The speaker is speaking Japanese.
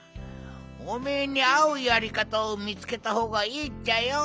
おめえにあうやりかたをみつけたほうがいいっちゃよ。